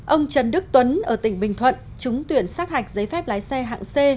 ông trần đức tuấn ở tỉnh bình thuận trúng tuyển sát hạch giấy phép lái xe hạng c